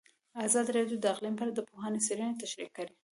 ازادي راډیو د اقلیم په اړه د پوهانو څېړنې تشریح کړې.